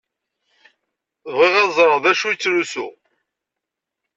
Bɣiɣ ad ẓṛeɣ dacu i yettlusu.